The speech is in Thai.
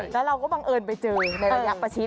แล้วเราก็บังเอิญไปเจอในระยะประชิด